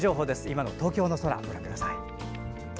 今の東京の空をご覧ください。